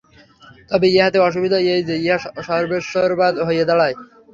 তবে ইহাতে অসুবিধা এই যে, ইহা সর্বেশ্বরবাদ হইয়া দাঁড়ায়।